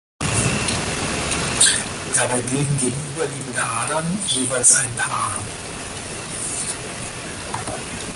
Dabei bilden gegenüberliegende Adern jeweils ein Paar.